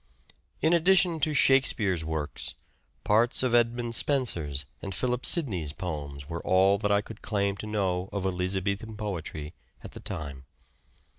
In addition to " Shakespeare's " works, parts of Edmund Spenser's and Philip Sidney's poems were all that I could claim to know of Elizabethan poetry at the time.